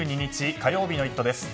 火曜日の「イット！」です。